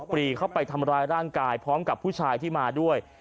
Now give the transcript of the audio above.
รีเข้าไปทำร้ายร่างกายพร้อมกับผู้ชายที่มาด้วย